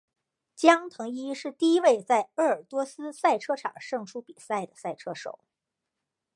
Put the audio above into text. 江腾一是第一位在鄂尔多斯赛车场胜出比赛的赛车手。